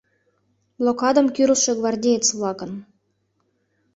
Блокадым кӱрлшӧ гвардеец-влакын